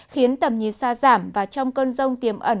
khiến tầm nhìn xa giảm và trong cơn rông tiềm ẩn